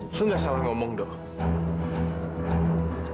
kamu nggak salah bicara fadil